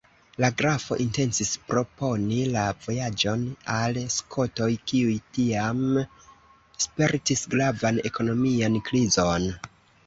La grafo intencis proponi la vojaĝon al Skotoj, kiuj tiam spertis gravan ekonomian krizon.